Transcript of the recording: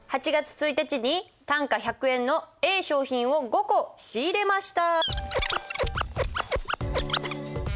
７日に単価１５０円のＡ商品を５個仕入れました。